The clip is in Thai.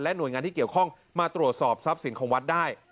หน่วยงานที่เกี่ยวข้องมาตรวจสอบทรัพย์สินของวัดได้